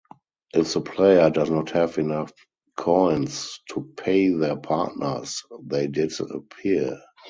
If the player does not have enough coins to pay their partners, they disappear.